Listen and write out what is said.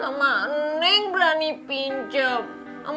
sama neng berani pinjam